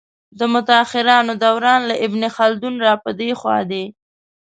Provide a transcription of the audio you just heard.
د متاخرانو دوران له ابن خلدون را په دې خوا دی.